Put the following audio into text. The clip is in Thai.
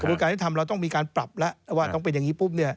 โดยการที่ทำเราต้องมีการปรับแล้วว่าต้องเป็นอย่างนี้ปุ๊บเนี่ย